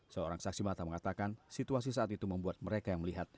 seorang saksi mata mengatakan situasi saat itu membuat mereka yang melihat